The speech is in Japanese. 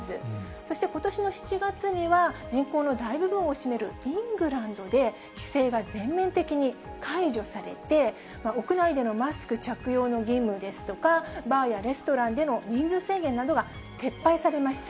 そしてことしの７月には、人口の大部分を占めるイングランドで、規制が全面的に解除されて、屋内でのマスク着用の義務ですとか、バーやレストランでの人数制限などが撤廃されました。